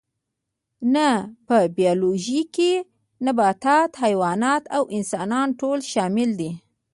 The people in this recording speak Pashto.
نه په بیولوژي کې نباتات حیوانات او انسانان ټول شامل دي